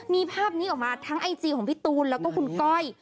มีภาพนี้ออกมาทั้งไอจีของพี่ตูนแล้วก็คุณก้อย